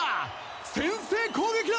先制攻撃だ！